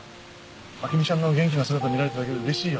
朱美ちゃんの元気な姿見られただけで嬉しいよ。